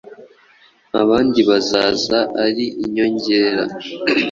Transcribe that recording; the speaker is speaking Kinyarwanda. abandi bazaza ari inyongera.